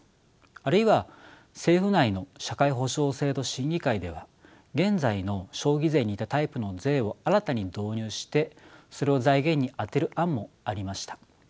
あるいは政府内の社会保障制度審議会では現在の消費税に似たタイプの税を新たに導入してそれを財源に充てる案もありました。